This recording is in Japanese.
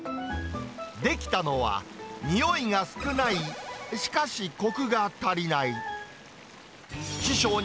出来たのは、においが少ない、しかし、こくが足りない。